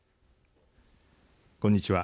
こんにちは。